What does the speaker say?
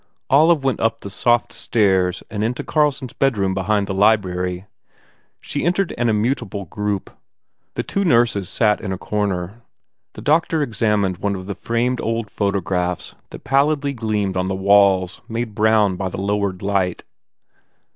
Olive went up the soft stairs and into Carlson s bedroom be hind the library. She entered an immutable group. The two nurses sat in a corner. The doctor examined one of the. framed, old photo graphs that pallidly gleamed on the walls made brown by the lowered light.